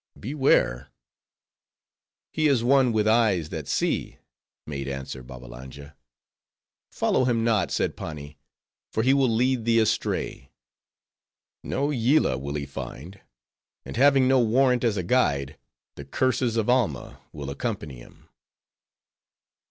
Beware!" "He is one with eyes that see," made answer Babbalanja. "Follow him not," said Pani, "for he will lead thee astray; no Yillah will he find; and having no warrant as a guide, the curses of Alma will accompany him."